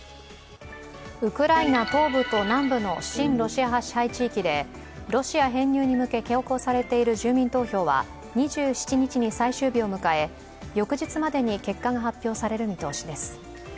ウクライナ東部と南部の親ロシア派支配地域でロシア編入に向け強行されている住民投票は２７日に最終日を迎え、翌日までに結果が発表される見通しです。